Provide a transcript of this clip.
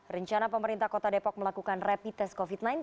rencana pemerintah kota depok melakukan rapid test covid sembilan belas